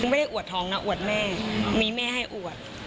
ไม่ได้อวดทองนะอวดแม่มีแม่ให้อวด